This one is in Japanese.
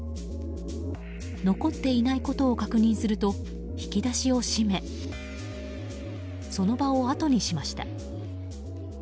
残っていないことを確認すると引き出しを閉めその場をあとにしました。